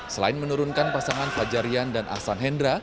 selain menurunkan pasangan fajarian dan ahsan hendra